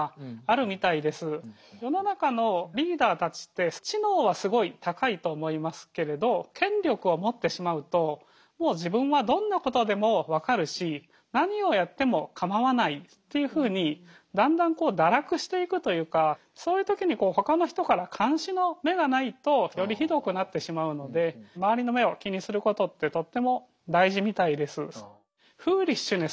世の中のリーダーたちって知能はすごい高いと思いますけれど権力を持ってしまうともう自分はどんなことでも分かるし何をやっても構わないっていうふうにだんだん堕落していくというかそういう時にほかの人から監視の目がないとよりひどくなってしまうので周りの目を気にすることってとっても大事みたいです。